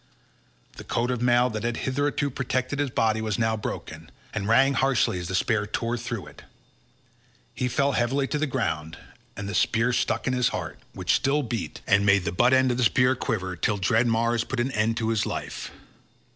The coat of mail that had hitherto protected his body was now broken, and rang harshly as the spear tore through it. He fell heavily to the ground, and the spear stuck in his heart, which still beat, and made the butt end of the spear quiver till dread Mars put an end to his life.